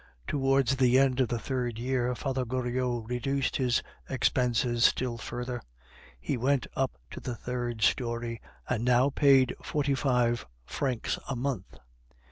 Towards the end of the third year Father Goriot reduced his expenses still further; he went up to the third story, and now paid forty five francs a month.